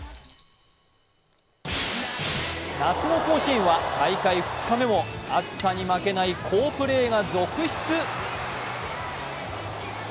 夏の甲子園は大会２日目も暑さに負けない好プレーが続出。